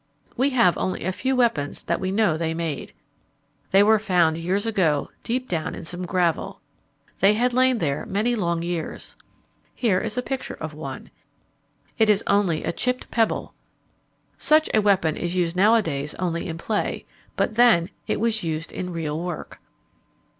We have only a few weapons that we know they made. They were found years ago deep down in some gravel. They had lain there many long years. Here is a picture of one. It is only a chipped pebble. Such a weapon is used nowadays only in play, but then it was used in real work.